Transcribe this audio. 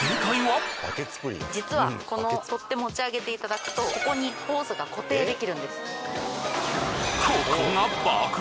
実はこの取っ手持ち上げていただくとここにホースが固定できるんです。